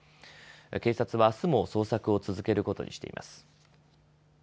警察はあすも捜索を続けることにしています。